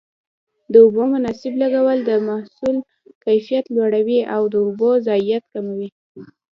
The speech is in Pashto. د اوبو مناسب لګول د محصول کیفیت لوړوي او د اوبو ضایعات کموي.